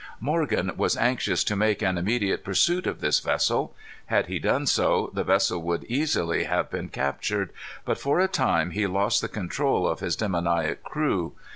Morgan was anxious to make an immediate pursuit of this vessel. Had he done so the vessel would easily have been captured. But for a time he lost the control of his demoniac crew.